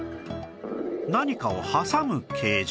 何かを挟む形状